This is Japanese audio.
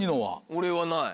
俺はない。